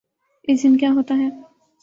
اس دن کیا ہوتاہے۔